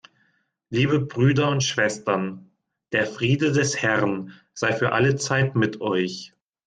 Liebe Brüder und Schwestern, der Friede des Herrn sei für alle Zeit mit euch.